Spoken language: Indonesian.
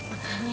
makasih ya raja